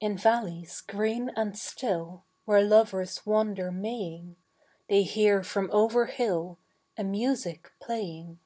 In valleys green and still Where lovers wander maying They hear from over hill A music playing.